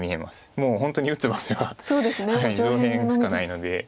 もう本当に打つ場所が上辺しかないので。